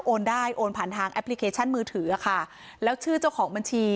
ได้โอนผ่านทางแอปพลิเคชันมือถืออะค่ะแล้วชื่อเจ้าของบัญชี